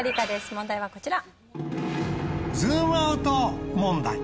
問題はこちら。